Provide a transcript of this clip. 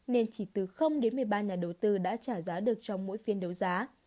nên chỉ từ đến một mươi ba nhà đầu tư đã trả giá được trong mỗi phiên đấu giá